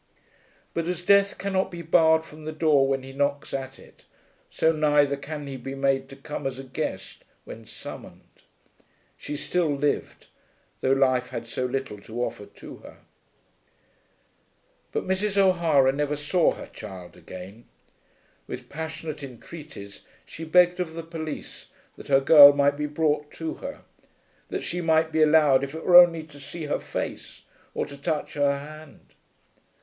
But as Death cannot be barred from the door when he knocks at it, so neither can he be made to come as a guest when summoned. She still lived, though life had so little to offer to her. But Mrs. O'Hara never saw her child again. With passionate entreaties she begged of the police that her girl might be brought to her, that she might be allowed if it were only to see her face or to touch her hand.